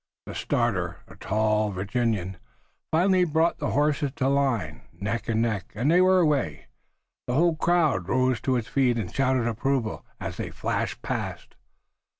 The starter, a tall Virginian, finally brought the horses to the line, neck and neck, and they were away. The whole crowd rose to its feet and shouted approval as they flashed past.